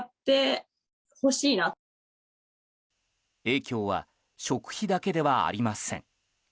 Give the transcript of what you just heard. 影響は食費だけではありません。